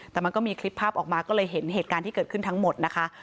แต่มันก็มีคลิปภาพออกมาก็เลยเห็นเหตุการณ์ที่เกิดขึ้นทั้งหมดนะคะ